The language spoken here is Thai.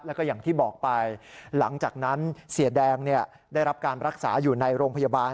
แล้วก็อย่างที่บอกไปหลังจากนั้นเสียแดงได้รับการรักษาอยู่ในโรงพยาบาล